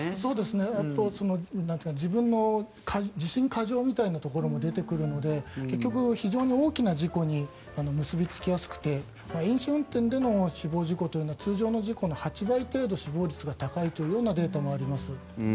自分の自信過剰みたいなところも出てくるので結局、非常に大きな事故に結びつきやすくて飲酒運転での死亡事故というのは通常の事故の８倍程度死亡率が高いというデータもあります。